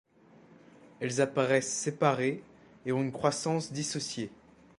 Elles apparaissent séparées et ont une croissance dissociée.